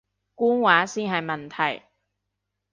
官話先係問題